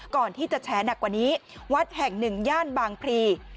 แฉหนักกว่านี้วัดแห่งหนึ่งย่านบางพลี